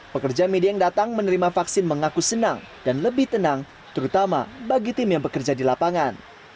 pekerja media yang datang menerima vaksin mengaku senang dan lebih tenang terutama bagi tim yang bekerja di lapangan